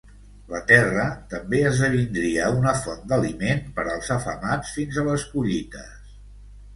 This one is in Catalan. La terra també esdevindria una font d'aliment per als afamats fins a les collites.